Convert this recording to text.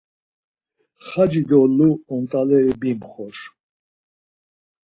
xaci do lu ontaleri bimxor.